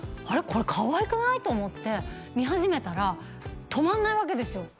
これかわいくない？と思って見始めたら止まんないわけですよ